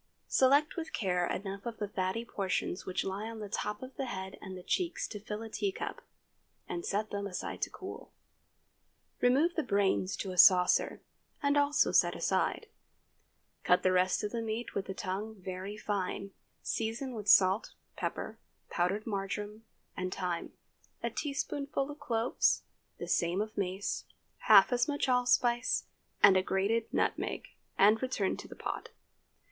Select with care enough of the fatty portions which lie on the top of the head and the cheeks to fill a teacup, and set them aside to cool. Remove the brains to a saucer and also set aside. Chop the rest of the meat with the tongue very fine, season with salt, pepper, powdered marjoram and thyme, a teaspoonful of cloves, the same of mace, half as much allspice, and a grated nutmeg, and return to the pot.